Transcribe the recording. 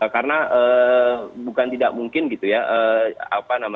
karena bukan tidak mungkin